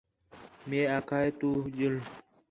مئے آکھا ہِے تُو ڄُل